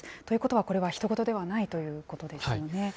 ということは、これはひと事ではないということですよね。